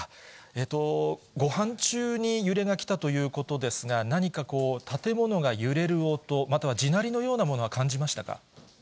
ごはん中に揺れがきたということですが、何か建物が揺れる音、または地鳴りのようなものは感じ